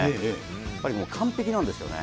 やっぱり完璧なんですよね。